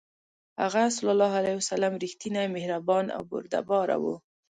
هغه ﷺ رښتینی، مهربان او بردباره و.